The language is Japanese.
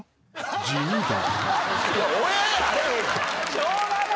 地味だ］